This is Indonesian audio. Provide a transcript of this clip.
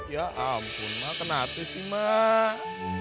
ya ampun mak kenapa sih mak